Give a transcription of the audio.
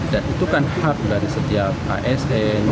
dan itu kan hak dari setiap asn